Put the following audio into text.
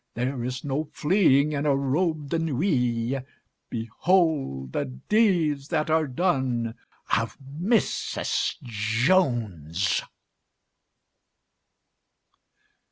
There is no fleeing in a robe de nuit. Behold the deeds that are done of Mrs. Jones!